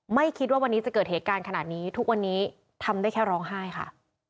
ไม่คิดว่าวันนี้จะเกิดเหตุการณ์ขนาดนี้ทุกวันนี้ทำได้แค่ร้องไห้ค่ะ